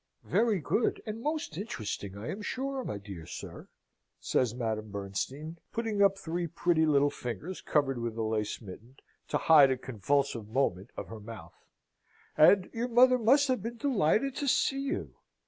"Very good and most interesting, I am sure, my dear sir," says Madame Bernstein, putting up three pretty little fingers covered with a lace mitten, to hide a convulsive movement of her mouth. "And your mother must have been delighted to see you."